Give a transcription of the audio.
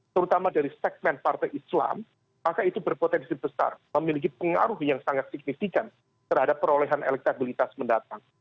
terutama dari segmen partai islam maka itu berpotensi besar memiliki pengaruh yang sangat signifikan terhadap perolehan elektabilitas mendatang